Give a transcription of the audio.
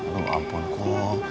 lho ampun kum